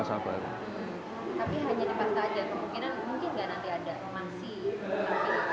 tapi hanya nih pasta aja mungkin nggak nanti ada masih